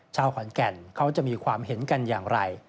ชาวขอนแก่นเขาจะมีความเห็นกันอย่างไร